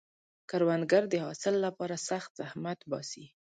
کروندګر د حاصل لپاره سخت زحمت باسي